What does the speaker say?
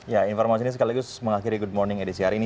ya informasinya sekaligus mengakhiri good morning edition hari ini